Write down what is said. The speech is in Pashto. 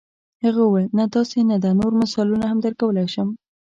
هغه وویل نه داسې نه ده نور مثالونه هم درکولای شم.